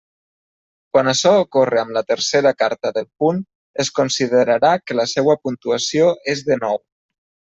Quan açò ocorre amb la tercera carta del punt, es considerarà que la seua puntuació és de nou.